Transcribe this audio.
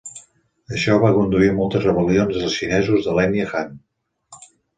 Això va conduir a moltes rebel·lions de xinesos de l'ètnia Han.